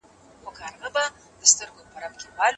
د خبر رسولو سيستمونو ښه وده وکړه.